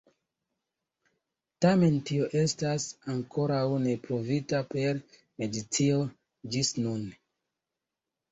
Tamen tio estas ankoraŭ ne pruvita per medicino ĝis nun.